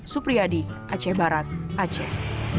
supriyadi aceh barat aceh